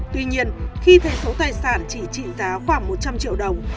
tuy nhiên khi thấy số tài sản chỉ trị giá khoảng một trăm linh triệu đồng